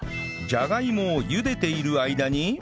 じゃがいもを茹でている間に